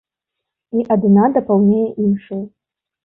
І адна дапаўняе іншую.